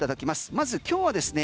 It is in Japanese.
まず今日はですね